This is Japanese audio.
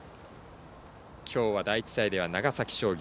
きょうは第１試合では長崎商業。